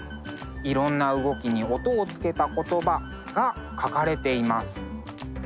いろんな動きに音をつけた言葉が書かれています。